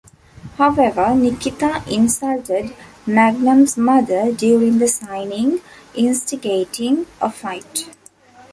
However, Nikita insulted Magnum's mother during the signing, instigating a fight.